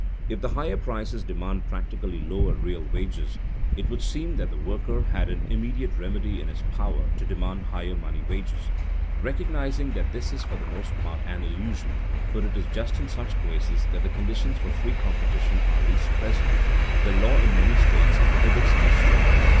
If the higher prices demanded practically lower real wages, it would seem that the worker had an immediate remedy in his power to demand higher money wages. Recognizing that this is for the most part an illusion for it is just in such places that the conditions for free competition are least present the law in many states prohibits these stores.